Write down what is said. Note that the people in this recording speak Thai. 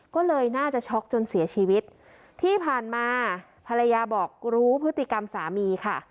ก็เลยน่าจะช็อกจนเสียชีวิตที่ผ่านมาภรรยาบอกรู้พฤติกรรมสามีค่ะ